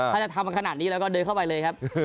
ถ้าจะทำขนาดนี้แล้วก็เดินเข้าไปเลยครับ